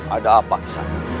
ada apa kisahnya